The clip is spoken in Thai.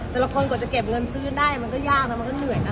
แต่ละคนกว่าจะเก็บเงินซื้อได้มันก็ยากนะมันก็เหนื่อยนะ